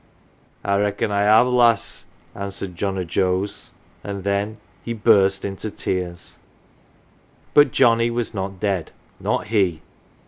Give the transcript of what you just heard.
" I reckon I have, lass," answered John o' Joe's, and then he burst into tears. But Johnnie was not dead, not he